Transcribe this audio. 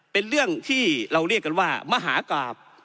เป็นเรื่องที่เราเรียกกันว่ามหากราบ